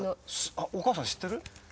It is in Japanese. あっお母さん知ってる？